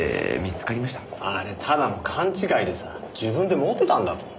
あれただの勘違いでさ自分で持ってたんだと。